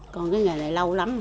còn cái nghề này lâu lắm